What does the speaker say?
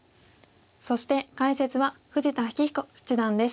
そして解説は富士田明彦七段です。